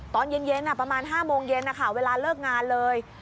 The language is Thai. ตอนเย็นประมาณ๕โมงเย็นนะคะเวลาเลิกงานเลย